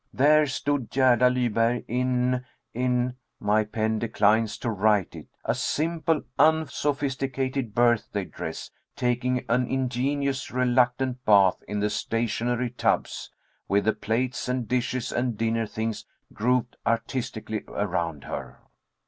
There stood Gerda Lyberg in in my pen declines to write it a simple unsophisticated birthday dress, taking an ingenuous reluctant bath in the "stationary tubs," with the plates, and dishes, and dinner things grouped artistically around her!